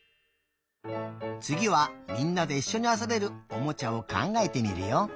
つぎはみんなでいっしょにあそべるおもちゃをかんがえてみるよ。